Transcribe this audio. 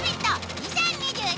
２０２２」